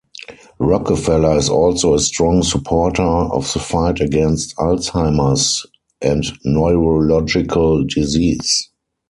Rockefeller is also a strong supporter of the fight against Alzheimer's and neurological disease.